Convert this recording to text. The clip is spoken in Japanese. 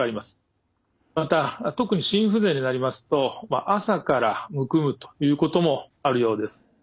また特に心不全になりますと朝からむくむということもあるようです。